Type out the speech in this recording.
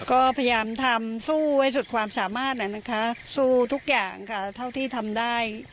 ก็พยายามทำสู้ไว้สุดความสามารถนะคะสู้ทุกอย่างค่ะเท่าที่ทำได้